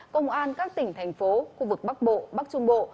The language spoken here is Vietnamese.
công an các tỉnh thành phố khu vực bắc bộ bắc trung bộ